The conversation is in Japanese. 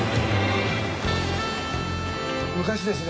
昔ですね